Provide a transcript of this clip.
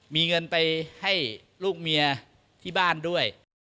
มีเงินไปให้ลูกเมียที่บ้านด้วย